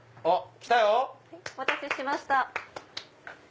お！